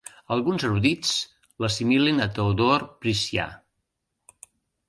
Alguns erudits l'assimilen a Teodor Priscià.